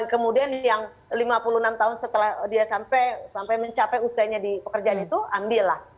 kemudian yang lima puluh enam tahun setelah dia sampai mencapai usainya di pekerjaan itu ambillah